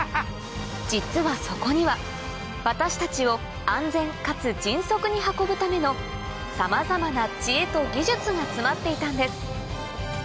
実はそこには私たちを安全かつ迅速に運ぶためのさまざまな知恵と技術が詰まっていたんです